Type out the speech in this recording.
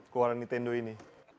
keluaran nintendo ini